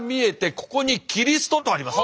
ここに「キリスト」とあります。